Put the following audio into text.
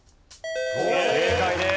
正解です。